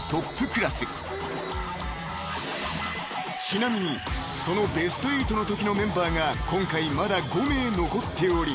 ［ちなみにそのベスト８のときのメンバーが今回まだ５名残っており］